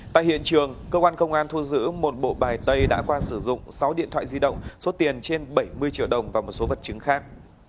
tại hiện trường cơ quan công an thu giữ một bộ bài tây đã qua sử dụng sáu điện thoại di động số tiền trên bảy mươi triệu đồng và một số vật chứng khác